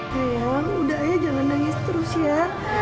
sayang udah ayah jangan nangis terus ya